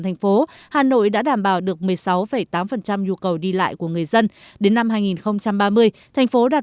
thành phố hà nội đã đảm bảo được một mươi sáu tám nhu cầu đi lại của người dân đến năm hai nghìn ba mươi thành phố đạt